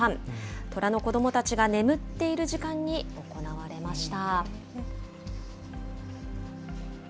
トラの子どもたちが眠っている時間に行われました。